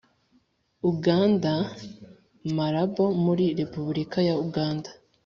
Uganda i Malabo muri Repubulika ya Uganda